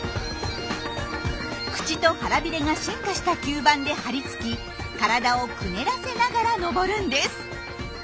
口と腹ビレが進化した吸盤で張り付き体をくねらせながら登るんです。